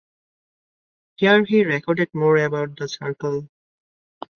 Here he recorded more about the circle.